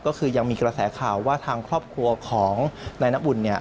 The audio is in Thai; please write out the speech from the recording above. ก็คือยังมีกระแสข่าวว่าทางครอบครัวของนายน้ำอุ่นเนี่ย